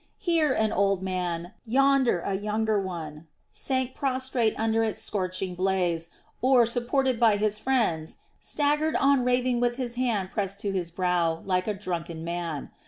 Here an old man, yonder a younger one, sank prostrate under its scorching blaze or, supported by his friends, staggered on raving with his hand pressed to his brow like a drunken man.